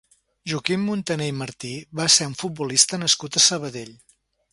Joaquim Montané i Martí va ser un futbolista nascut a Sabadell.